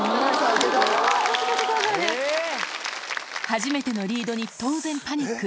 初めてのリードに、当然パニック。